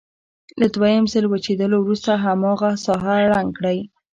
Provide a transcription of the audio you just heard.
له دویم ځل وچېدلو وروسته هماغه ساحه رنګ کړئ.